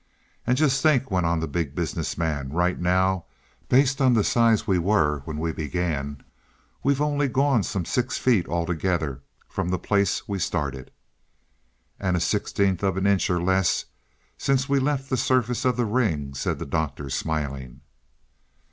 "And just think," went on the Big Business Man, "right now, based on the size we were when we began, we've only gone some six feet altogether from the place we started." "And a sixteenth of an inch or less since we left the surface of the ring," said the Doctor smiling.